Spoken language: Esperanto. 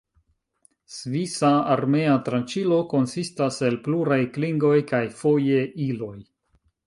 Svisa Armea Tranĉilo konsistas el pluraj klingoj kaj foje iloj.